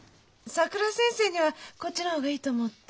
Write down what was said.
さくら先生にはこっちの方がいいと思って。